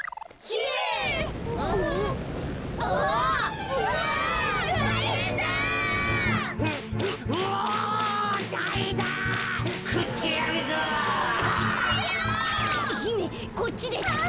ひめこっちです。